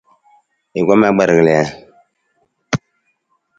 I kom akpar kali ja?